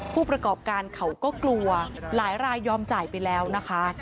ผู้ประกอบการเขาก็กลัวหลายรายยอมจ่ายไปแล้วนะคะ